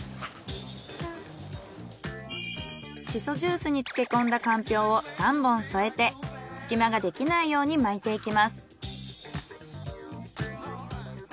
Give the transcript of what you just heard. しそジュースに漬け込んだかんぴょうを３本添えて隙間ができないように巻いていきます。